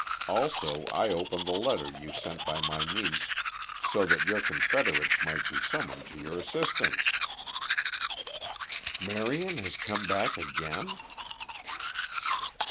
Also I opened the letter you sent by my niece so that your confederates might be summoned to your assistance." "Marion has come back again?"